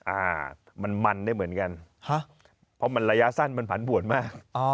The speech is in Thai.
อ่ามันมันได้เหมือนกันฮะเพราะมันระยะสั้นมันผันบวชมากอ๋อ